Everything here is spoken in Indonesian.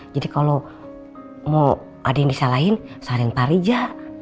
jadi kalau mau ada yang disalahin salahkan pak rija